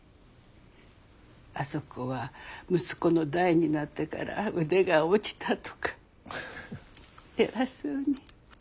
「あそこは息子の代になってから腕が落ちた」とか偉そうに。